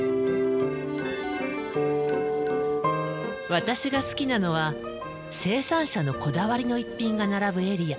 私が好きなのは生産者のこだわりの一品が並ぶエリア。